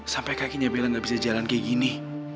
sampai kakinya bellen gak bisa jalan kayak gini